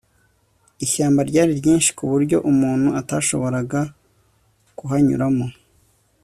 ishyamba ryari ryinshi kuburyo umuntu atashoboraga kuhanyuramo